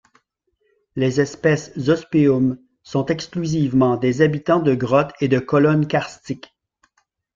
Les espèces Zospeum sont exclusivement des habitants de grottes et de colonnes karstiques.